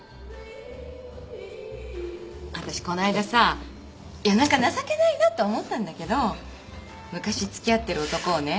私こないださ夜中情けないなと思ったんだけど昔付き合ってる男をね